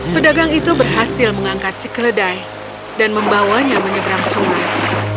pedagang itu berhasil mengangkat si keledai dan membawanya menyeberang sungai